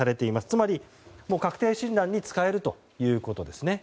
つまり、確定診断に使えるということです。